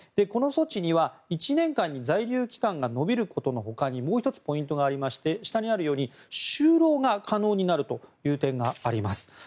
この措置には１年間に在留期間が延びることの他にもう１つポイントがありまして就労が可能になるという点があります。